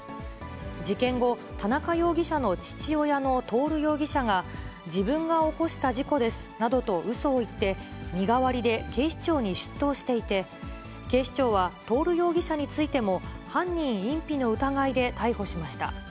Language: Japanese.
事件後、田中容疑者の父親の徹容疑者が、自分が起こした事故ですなどとうそを言って、身代わりで警視庁に出頭していて、警視庁は、徹容疑者についても、犯人隠避の疑いで逮捕しました。